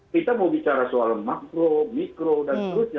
kita mau bicara soal makro mikro dan seterusnya